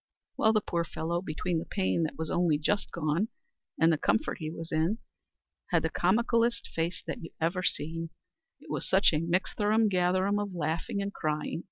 Well, the poor fellow between the pain that was only just gone, and the comfort he was in, had the comicalest face that you ever see, it was such a mixtherum gatherum of laughing and crying.